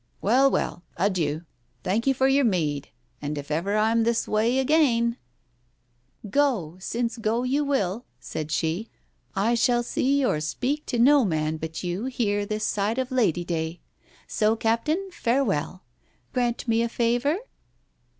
Well, well, adieu. Thank you for your mead, and if ever I'm this way again " "Go, since go you will," said she, "I shall see or speak to no man but you here this side of Lady Day. So, Captain, farewell. Grant me a favour?"